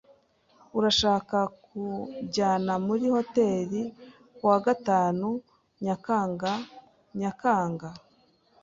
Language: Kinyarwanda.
Urashaka kunjyana muri hoteri kuwa gatanu Nyakanga Nyakanga h?